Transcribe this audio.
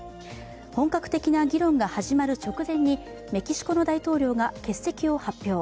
本格的な議論が始まる直前に、メキシコの大統領が欠席を発表。